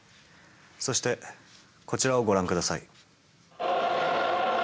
そしてこちらをご覧下さい。